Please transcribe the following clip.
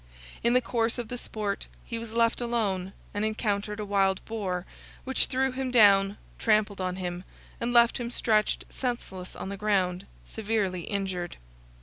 In the course of the sport, he was left alone, and encountered a wild boar, which threw him down, trampled on him, and left him stretched senseless on the ground, severely injured.